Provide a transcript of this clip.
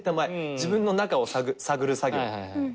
自分の中を探る作業。